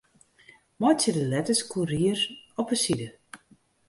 Meitsje de letters Courier op 'e side.